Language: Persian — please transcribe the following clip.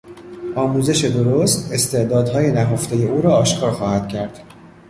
آموزش درست استعدادهای نهفتهی او را آشکار خواهد کرد.